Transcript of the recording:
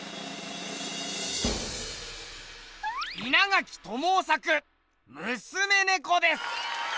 稲垣知雄作「娘猫」です。